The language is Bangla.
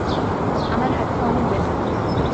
আমার হাঁটুতে অনেক ব্যথা করে।